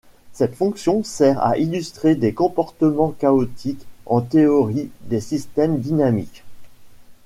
Cette fonction sert à illustrer des comportements chaotiques en théorie des systèmes dynamiques.